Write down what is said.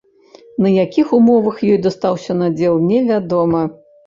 На якіх умовах ёй дастаўся надзел, невядома.